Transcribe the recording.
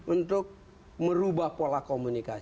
untuk memulai ini